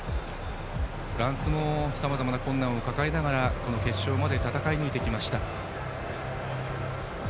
フランスもさまざまな困難を抱えながらこの決勝まで戦い抜いてきました。